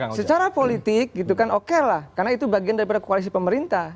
ya secara politik gitu kan oke lah karena itu bagian dari koalisi pemerintah